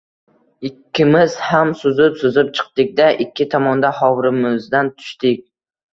Ikkimiz ham suzib-suzib chiqdik-da, ikki tomonda hovrimizdan tushdik